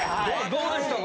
どうでしたか？